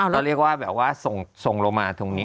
เราเรียกว่าแบบว่าส่งลงมาตรงนี้